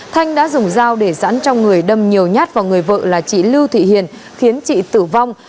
thanh đã dùng dao để dẫn trong người đâm nhiều nhát vào người vợ là chị lưu thị hiền khiến chị tử vong